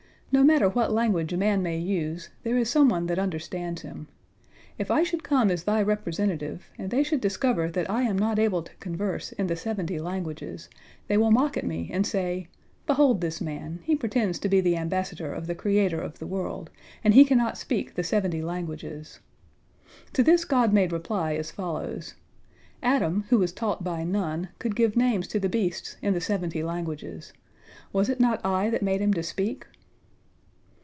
No matter what language a man may use, there is someone that understands him. If I should come as Thy representative, and they should discover that I am not able to converse in the seventy languages, they will mock at me, and say, 'Behold this man, he pretends to be the ambassador of the Creator of the world, and he cannot speak the seventy languages.' " To this God made reply, as follows: "Adam, who was taught by none, could give names to the beasts in the seventy languages. Was it not I that made him to speak?"